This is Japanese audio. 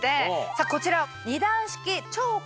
さぁこちら。